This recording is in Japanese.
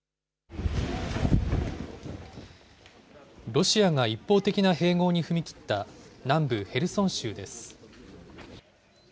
ロシアが一方的な併合に踏み切った南部ヘルソン州です。